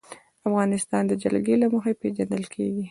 افغانستان د جلګه له مخې پېژندل کېږي.